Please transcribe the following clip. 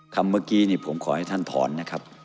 เมื่อกี้นี่ผมขอให้ท่านถอนนะครับ